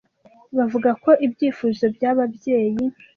bavuga ko ibyifuzo byababyeyi